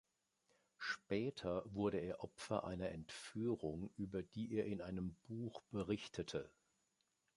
Später wurde er Opfer einer Entführung, über die er in einem Buch berichtete.